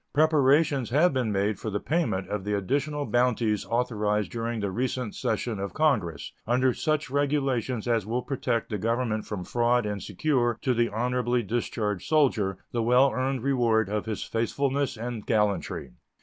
Preparations have been made for the payment of the additional bounties authorized during the recent session of Congress, under such regulations as will protect the Government from fraud and secure to the honorably discharged soldier the well earned reward of his faithfulness and gallantry.